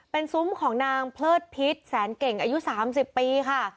เป็นซุ้มของนางเลิศพิษแสนเก่งอายุ๓๐ปีค่ะ